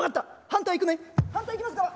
反対行きますから。